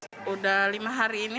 sudah lima hari ini